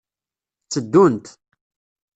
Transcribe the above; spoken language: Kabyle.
Tteddunt.